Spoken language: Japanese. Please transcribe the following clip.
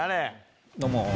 どうも。